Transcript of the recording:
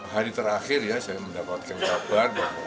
hari terakhir ya saya mendapatkan kabar bahwa